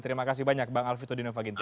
terima kasih banyak bang vito